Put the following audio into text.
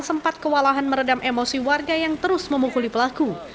sempat kewalahan meredam emosi warga yang terus memukuli pelaku